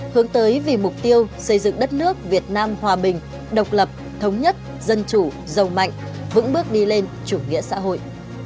hướng tới vì mục tiêu xây dựng đất nước việt nam hòa bình độc lập thống nhất dân chủ giàu mạnh vững bước đi lên chủ nghĩa xã hội